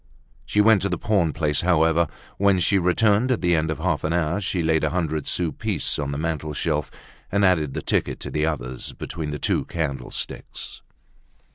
She went to the pawn place, however. When she returned at the end of half an hour, she laid a hundred sou piece on the mantel shelf, and added the ticket to the others, between the two candlesticks.